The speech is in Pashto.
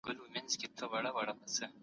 تاسي باید له ناشکرۍ څخه ځان وساتئ.